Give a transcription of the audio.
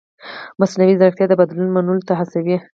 مصنوعي ځیرکتیا د بدلون منلو ته هڅوي.